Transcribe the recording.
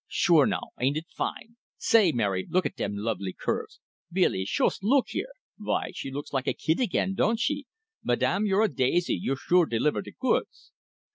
"Sure, now, ain't it fine? Say, Mary, look at dem lovely curves. Billy, shoost look here! Vy, she looks like a kid again, don't she! Madame, you're a daisy you sure deliver de goods."